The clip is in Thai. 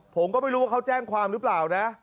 ผมก็ไม่รู้ว่าเขาแจ้งความหรือเปล่านะ